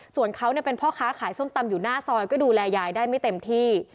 ส่วนเขาเป็นพ่อค้าขายส้มตำอยู่หน้าซอยก็ดูแลยายได้ไม่เต็มที่